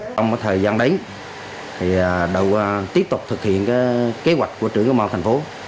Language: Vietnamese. trong thời gian đấy đầu tiếp tục thực hiện kế hoạch của trưởng công an tp